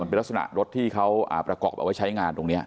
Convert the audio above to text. เป็นลักษณะรถที่เขาประกอบเอาไว้ใช้งานตรงนี้